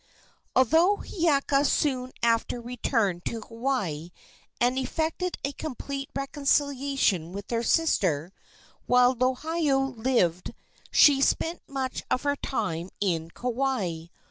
Although Hiiaka soon after returned to Hawaii and effected a complete reconciliation with her sister, while Lohiau lived she spent much of her time in Kauai.